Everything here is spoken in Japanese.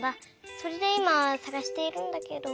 それでいまさがしているんだけど。